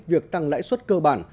việc tăng lãi suất cơ bản